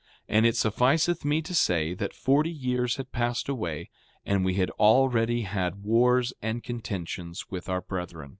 5:34 And it sufficeth me to say that forty years had passed away, and we had already had wars and contentions with our brethren.